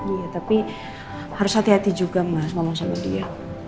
iya tapi harus hati hati juga mas maman sama dia